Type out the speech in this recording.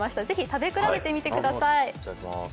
ぜひ食べ比べてください。